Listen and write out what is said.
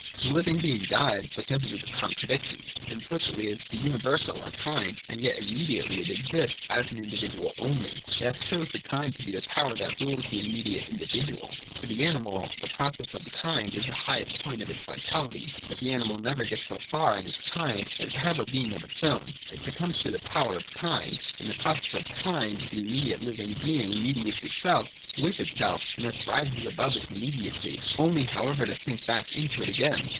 The living being dies, because it is a contradiction. Im plicitly it is the universal or Kind, and yet immediately it exists as an individual only. Death shows the Kind to be the power that rules the immediate individual. For the 362 THE DOCTRINE OF THE NOTION. [221 224. animal the process of Kind is the highest point of its vitality. But the animal never gets so far in its Kind as to have a being of its own ; it succumbs to the power of Kind. In the process of Kind the immediate living being mediates itself with itself, and thus rises above its immediacy, only however to sink back into it again.